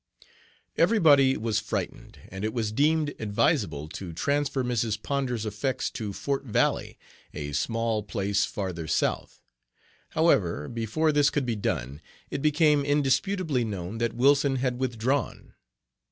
Every body was frightened, and it was deemed advisable to transfer Mrs. Ponder's effects to Fort Valley, a small place farther south. However, before this could be done, it became indisputably known that Wilson had withdrawn.